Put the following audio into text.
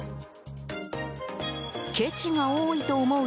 ケチが多いと思う